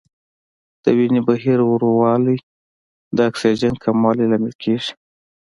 د وینې بهیر ورو والی د اکسیجن کموالي لامل کېږي.